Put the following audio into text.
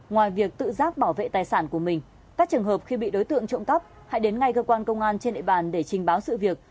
ngoài việc tự giác bảo vệ tài sản của mình các trường hợp khi bị đối tượng trộm cắp hãy đến ngay cơ quan công an trên địa bàn để trình báo sự việc